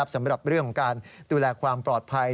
สำหรับเรื่องของการดูแลความปลอดภัย